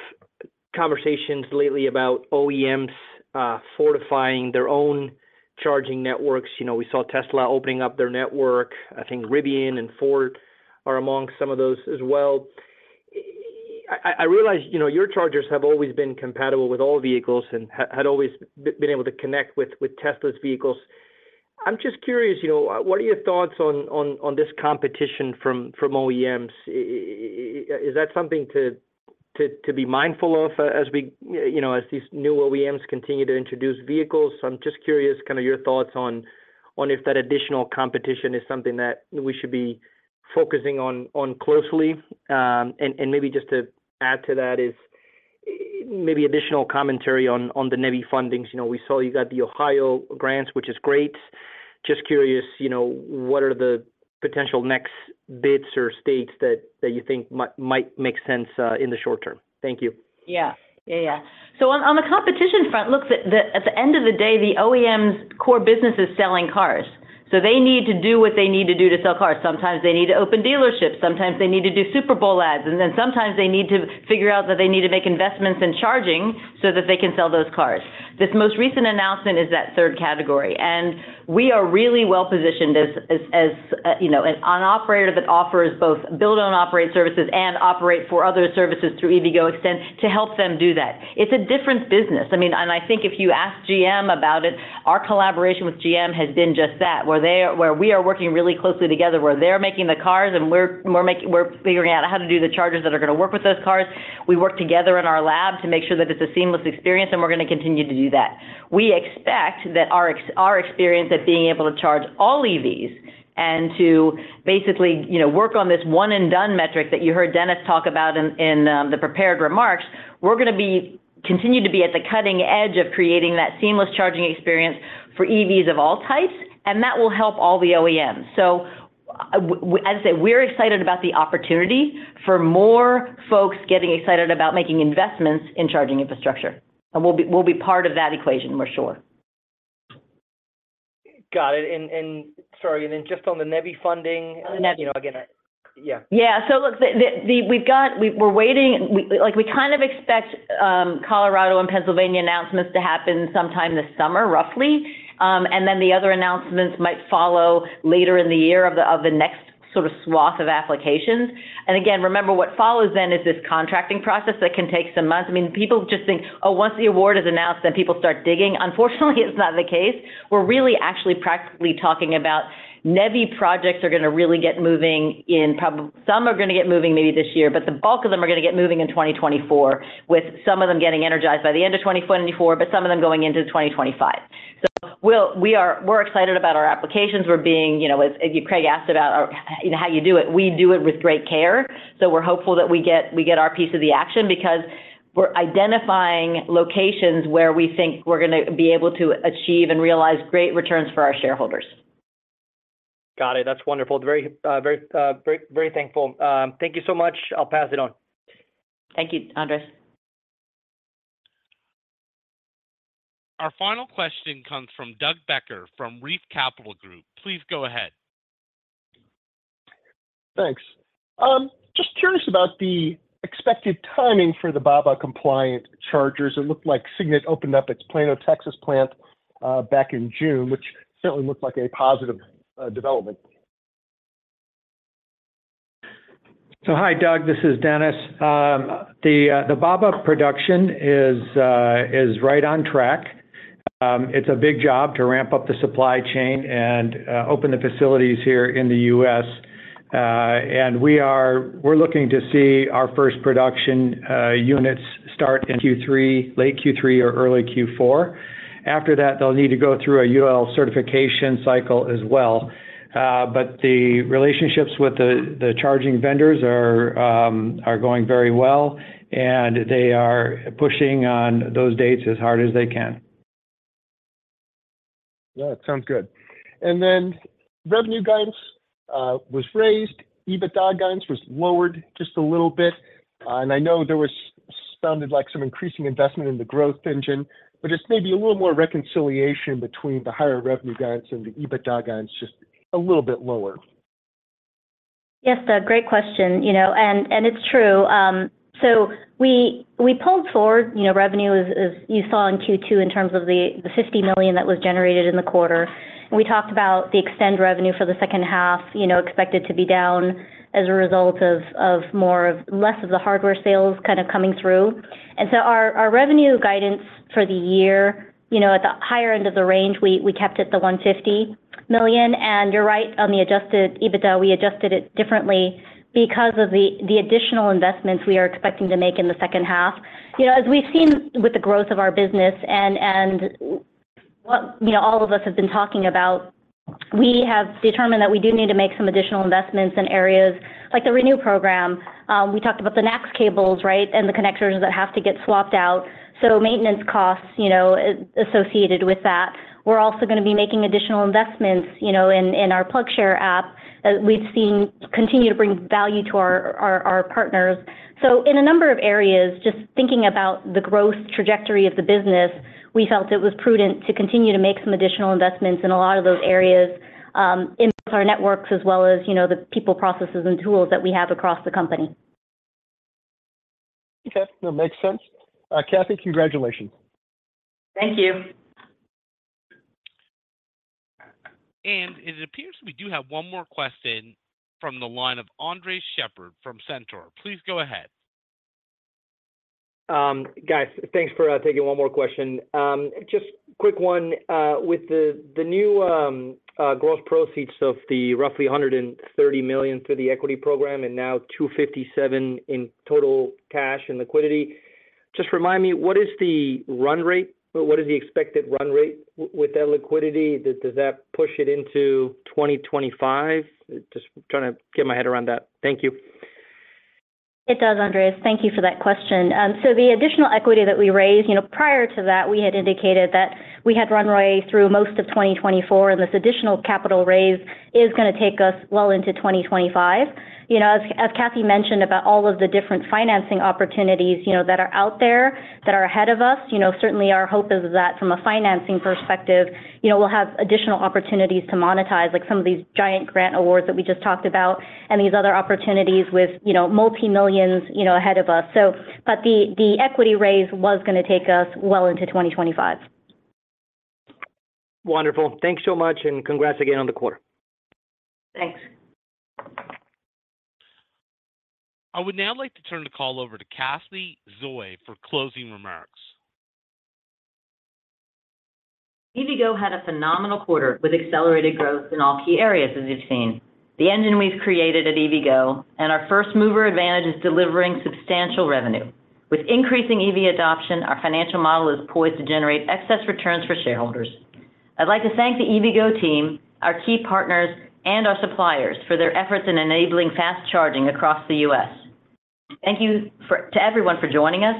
conversations lately about OEMs fortifying their own charging networks. You know, we saw Tesla opening up their network. I think Rivian and Ford are among some of those as well. I, realize, you know, your chargers have always been compatible with all vehicles and had always been able to connect with Tesla's vehicles. I'm just curious, you know, what are your thoughts on, on, on this competition from, from OEMs? Is that something to be mindful of, as we, you know, as these new OEMs continue to introduce vehicles. I'm just curious, kind of your thoughts on if that additional competition is something that we should be focusing on closely. Maybe just to add to that is, maybe additional commentary on, on the NEVI fundings. You know, we saw you got the Ohio grants, which is great. Just curious, you know, what are the potential next bids or states that, that you think might, might make sense in the short term? Thank you. Yeah. Yeah, yeah. On, on the competition front, look, at the end of the day, the OEM's core business is selling cars. They need to do what they need to do to sell cars. Sometimes they need to open dealerships, sometimes they need to do Super Bowl ads, and then sometimes they need to figure out that they need to make investments in charging so that they can sell those cars. This most recent announcement is that third category, and we are really well positioned as, you know, as an operator that offers both build and operate services and operate for other services through EVgo eXtend to help them do that. It's a different business. I mean, and I think if you ask GM about it, our collaboration with GM has been just that, where we are working really closely together, where they're making the cars and we're figuring out how to do the chargers that are gonna work with those cars. We work together in our lab to make sure that it's a seamless experience, and we're gonna continue to do that. We expect that our experience at being able to charge all EVs and to basically, you know, work on this One and Done metric that you heard Dennis talk about in the prepared remarks, we're gonna continue to be at the cutting edge of creating that seamless charging experience for EVs of all types, and that will help all the OEMs. As I said, we're excited about the opportunity for more folks getting excited about making investments in charging infrastructure. We'll be, we'll be part of that equation, we're sure. Got it. Sorry, and then just on the NEVI funding- NEVI. You know, again, yeah. Yeah. Look, we, we're waiting, like, we kind of expect Colorado and Pennsylvania announcements to happen sometime this summer, roughly. Then the other announcements might follow later in the year of the, of the next sort of swath of applications. Again, remember, what follows then is this contracting process that can take some months. I mean, people just think, Oh, once the award is announced, then people start digging. Unfortunately, it's not the case. We're really actually practically talking about NEVI projects are gonna really get moving in probably. Some are gonna get moving maybe this year, but the bulk of them are gonna get moving in 2024, with some of them getting energized by the end of 2024, but some of them going into 2025. We're excited about our applications. We're being, you know, as, as Craig asked about, you know, how you do it, we do it with great care. We're hopeful that we get, we get our piece of the action because we're identifying locations where we think we're gonna be able to achieve and realize great returns for our shareholders. Got it. That's wonderful. Very, thankful. Thank you so much. I'll pass it on. Thank you, Andres. Our final question comes from Doug Becker, from Reef Capital Group. Please go ahead. Thanks. Just curious about the expected timing for the BABA-compliant chargers? It looked like SK Signet opened up its Plano, Texas plant back in June, which certainly looked like a positive development. Hi, Doug, this is Dennis. The BABA production is right on track. It's a big job to ramp up the supply chain and open the facilities here in the U.S. We're looking to see our first production units start in Q3, late Q3 or early Q4. After that, they'll need to go through a UL certification cycle as well. The relationships with the charging vendors are going very well, and they are pushing on those dates as hard as they can. Yeah, it sounds good. Then revenue guidance, was raised, EBITDA guidance was lowered just a little bit. I know there sounded like some increasing investment in the growth engine, but just maybe a little more reconciliation between the higher revenue guidance and the EBITDA guidance, just a little bit lower. Yes, Doug, great question. You know, it's true. We, we pulled forward, you know, revenue, as, as you saw in Q2, in terms of the, the $50 million that was generated in the quarter. We talked about the EVgo eXtend revenue for the second half, you know, expected to be down as a result of less of the hardware sales kind of coming through. Our, our revenue guidance for the year, you know, at the higher end of the range, we, we kept it the $150 million. You're right, on the Adjusted EBITDA, we adjusted it differently because of the, the additional investments we are expecting to make in the second half. You know, as we've seen with the growth of our business and, you know, all of us have been talking about, we have determined that we do need to make some additional investments in areas like the ReNew program. We talked about the NACS cables, right? And the connectors that have to get swapped out. Maintenance costs, you know, associated with that. We're also gonna be making additional investments, you know, in, in our PlugShare app, that we've seen continue to bring value to our, our, our partners. In a number of areas, just thinking about the growth trajectory of the business, we felt it was prudent to continue to make some additional investments in a lot of those areas, in our networks, as well as, you know, the people, processes, and tools that we have across the company. Okay, that makes sense. Cathy, congratulations. Thank you. It appears we do have one more question from the line of Andres Sheppard from Cantor Fitzgerald. Please go ahead. Guys, thanks for taking one more question. Just quick one, with the new gross proceeds of the roughly $130 million through the equity program and now $257 million in total cash and liquidity, just remind me, what is the run rate? What is the expected run rate with that liquidity? Does that push it into 2025? Just trying to get my head around that. Thank you. It does, Andres. Thank you for that question. The additional equity that we raised, you know, prior to that, we had indicated that we had run rate through most of 2024, and this additional capital raise is gonna take us well into 2025. You know, as, as Cathy mentioned about all of the different financing opportunities, you know, that are out there, that are ahead of us, you know, certainly our hope is that from a financing perspective, you know, we'll have additional opportunities to monetize, like some of these giant grant awards that we just talked about, and these other opportunities with, you know, multi-millions, you know, ahead of us. But the, the equity raise was gonna take us well into 2025. Wonderful. Thanks so much, and congrats again on the quarter. Thanks. I would now like to turn the call over to Cathy Zoi for closing remarks. EVgo had a phenomenal quarter with accelerated growth in all key areas, as you've seen. The engine we've created at EVgo and our first mover advantage is delivering substantial revenue. With increasing EV adoption, our financial model is poised to generate excess returns for shareholders. I'd like to thank the EVgo team, our key partners, and our suppliers for their efforts in enabling fast charging across the U.S. Thank you to everyone for joining us,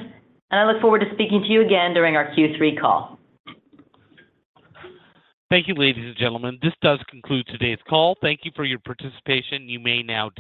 and I look forward to speaking to you again during our Q3 call. Thank you, ladies and gentlemen. This does conclude today's call. Thank you for your participation. You may now disconnect.